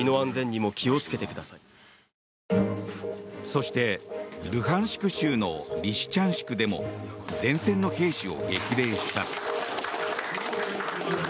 そして、ルハンシク州のリシチャンシクでも前線の兵士を激励した。